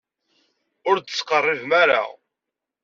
Ur d-ttqerribem ara.